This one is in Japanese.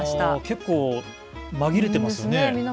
結構、紛れていますね。